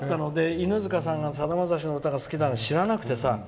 犬塚さんがさだまさしの歌が好きだなんて知らなくてさ。